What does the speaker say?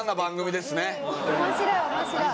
面白い面白い。